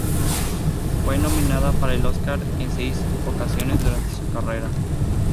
Fue nominada para el Óscar en seis ocasiones durante su carrera.